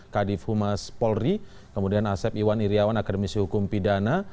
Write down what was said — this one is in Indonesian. kadif humas polri kemudian asep iwan iryawan akademisi hukum pidana